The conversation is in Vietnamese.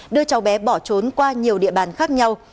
đưa cháu bé bỏ trốn qua nhiều địa bàn khác nhau